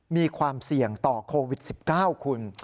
มีความเสี่ยงต่อโควิด๑๙คุณ